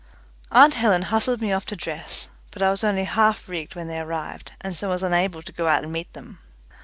Aunt Helen hustled me off to dress, but I was only half rigged when they arrived, and so was unable to go out and meet them.